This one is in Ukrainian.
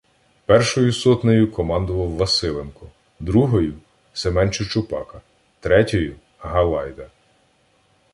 Першою сотнею командував Василенко, другою — Семен Чучупака, третьою — Галайда.